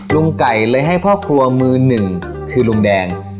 ลุงไก่เลยให้พ่อครัวมือหนึ่งคือลุงแดง